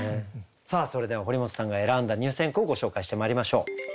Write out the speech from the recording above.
さあそれでは堀本さんが選んだ入選句をご紹介してまいりましょう。